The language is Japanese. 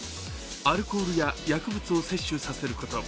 アルコールや薬物を摂取させること